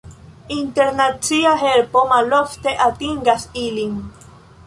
Internacia helpo malofte atingas ilin.